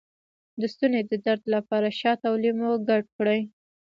د ستوني درد لپاره شات او لیمو ګډ کړئ